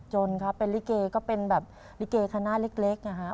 จนครับเป็นลิเกก็เป็นแบบลิเกคณะเล็กนะครับ